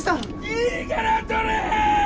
いいから撮れ！